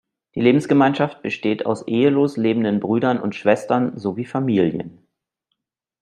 Die Lebensgemeinschaft besteht aus ehelos lebenden Brüdern und Schwestern sowie Familien.